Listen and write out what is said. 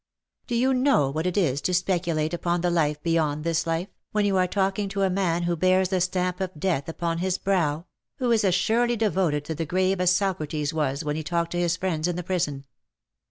Do you know what it is to speculate upon the life beyond this life^ when you are talking to a man who bears the stamp of death upon his brow, who is as surely dsvoted to the grave as Socrates was when he talked to his friends in the prison.